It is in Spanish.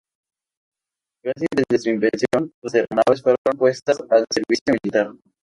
Casi desde su invención, las aeronaves fueron puestas al servicio militar.